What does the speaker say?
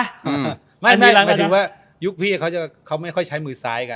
หมายถึงว่ายุคพี่เขาไม่ค่อยใช้มือซ้ายกัน